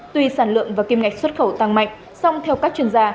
tuy sản lượng và kim ngạch xuất khẩu tăng mạnh song theo các chuyên gia